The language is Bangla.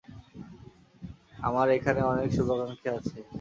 আমার এখানে অনেক শুভাকাঙ্ক্ষী আছে।